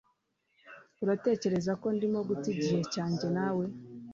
Uratekereza ko ndimo guta igihe cyanjye na we